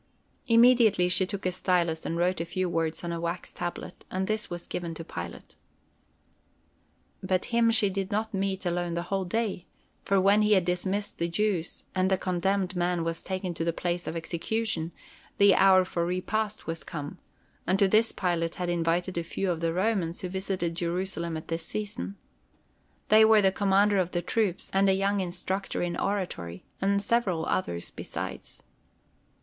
Immediately she took a stylus and wrote a few words on a wax tablet, and this was given to Pilate. But him she did not meet alone the whole day; for when he had dismissed the Jews, and the condemned man was taken to the place of execution, the hour for repast was come, and to this Pilate had invited a few of the Romans who visited Jerusalem at this season. They were the commander of the troops and a young instructor in oratory, and several others besides.